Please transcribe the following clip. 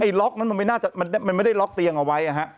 ไอล็อกไม่ได้ล็อกเตียงเอาไว้